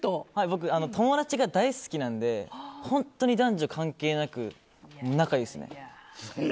僕、友達が大好きなので本当に男女関係なく仲いいですね。